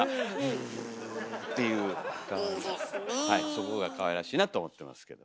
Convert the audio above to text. そこがかわいらしいなと思ってますけど。